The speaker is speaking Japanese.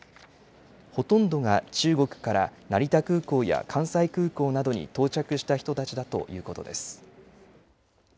ほとんどが中国から成田空港や関西空港などに到着した人たちだということです。